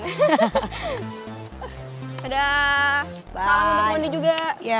dadah salam untuk moni juga